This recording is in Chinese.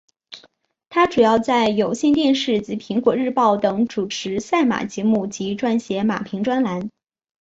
她主要在有线电视及苹果日报等主持赛马节目及撰写马评专栏。